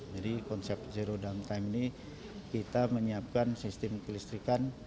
jadi konsep zero downtime ini kita menyiapkan sistem kelistrikan